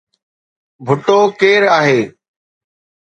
ڀٽو ڪير آهي؟